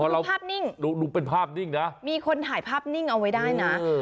เราภาพนิ่งดูเป็นภาพนิ่งนะมีคนถ่ายภาพนิ่งเอาไว้ได้นะ